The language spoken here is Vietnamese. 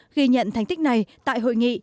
ghi nhận thành tích này tại hội nghị